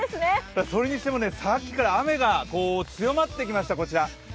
それにしてもさっきから雨が強まってきました、こちら。